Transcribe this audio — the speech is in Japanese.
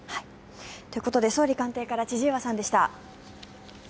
ということで総理官邸から千々岩さんでした。